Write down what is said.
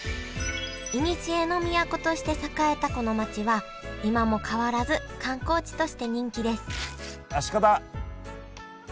いにしえの都として栄えたこの町は今も変わらず観光地として人気ですあっ鹿だ！